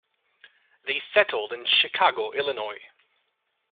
They settled in Chicago, Illinois.